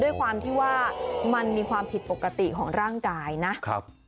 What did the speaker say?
ด้วยความที่ว่ามันมีความผิดปกติของร่างกายนะครับ